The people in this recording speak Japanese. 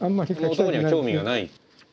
男には興味がない？